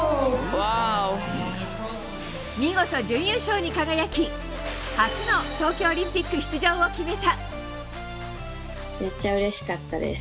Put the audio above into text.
見事、準優勝に輝き初の東京オリンピック出場を決めた。